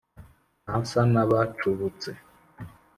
Ntasa n'abacubutse